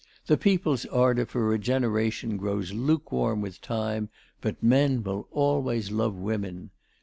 The people's ardour for regeneration grows lukewarm with time, but men will always love women.